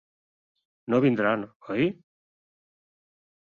No vindran, oi?